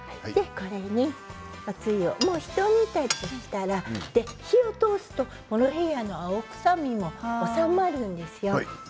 これにひと煮立ちしたら火を通すとモロヘイヤの青臭みも収まるんですよ。